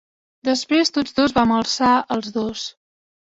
Després tots dos vam alçar els dos.